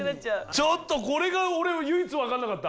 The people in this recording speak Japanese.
ちょっとこれが俺も唯一分かんなかった。